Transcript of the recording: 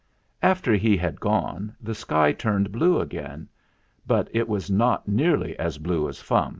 After he had gone the sky turned blue again ; but it was not nearly so blue as Fum.